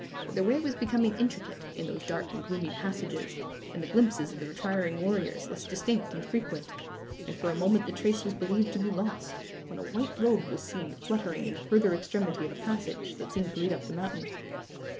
But their way was becoming intricate, in those dark and gloomy passages, and the glimpses of the retiring warriors less distinct and frequent; and for a moment the trace was believed to be lost, when a white robe was seen fluttering in the further extremity of a passage that seemed to lead up the mountain.